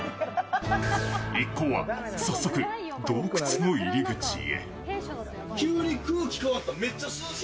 一行は早速、洞窟の入り口へ。